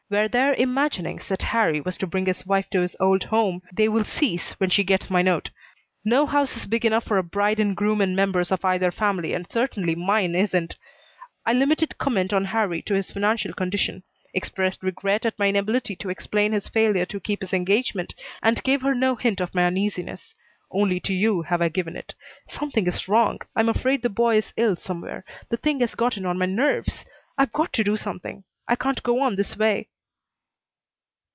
Were there imaginings that Harrie was to bring his wife to his old home they will cease when she gets my note. No house is big enough for a bride and groom and members of either family, and certainly mine isn't. I limited comment on Harrie to his financial condition; expressed regret at my inability to explain his failure to keep his engagement, and gave her no hint of my uneasiness. Only to you have I given it. Something is wrong. I'm afraid the boy is ill somewhere. The thing has gotten on my nerves. I've got to do something. I can't go on this way."